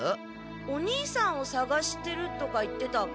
お兄さんをさがしてるとか言ってたっけ？